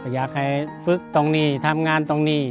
อยากให้ฝึกตรงนี้ทำงานตรงนี้